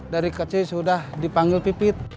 dari kecil sudah dipanggil pipit